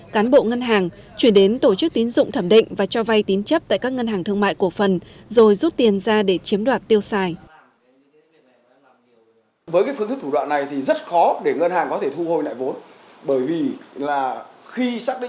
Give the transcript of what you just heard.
cán bộ ngân hàng chuyển đến tổ chức tín dụng thẩm định và cho vay tín chấp tại các ngân hàng thương mại cổ phần rồi rút tiền ra để chiếm đoạt tiêu xài